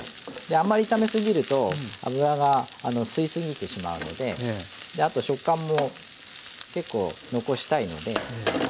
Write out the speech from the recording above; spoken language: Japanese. あんまり炒め過ぎると油が吸い過ぎてしまうのであと食感も結構残したいので。